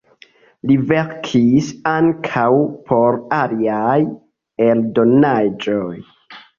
Li verkis ankaŭ por aliaj eldonaĵoj.